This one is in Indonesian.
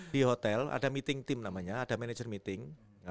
di hotel ada meeting team namanya ada manager meeting